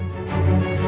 gak bertanggung jawab